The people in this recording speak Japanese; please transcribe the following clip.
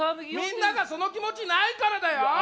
みんながその気持ちないからだよ！